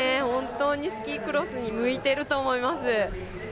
本当にスキークロスに向いてると思います。